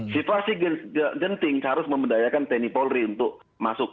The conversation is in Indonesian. situasi genting harus membedakan teknik polri untuk masuk